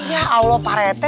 ya allah pak rethe